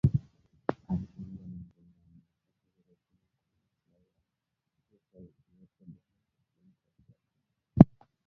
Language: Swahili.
Alisema Uganda na Rwanda wana nafasi nzuri ya kutumia kwa maslahi yao fursa zilizoko Jamhuri ya kidemokrasia ya Kongo.